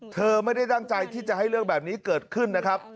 เธอไม่ได้ตั้งใจที่จะให้เรื่องแบบนี้เกิดขึ้นนะครับ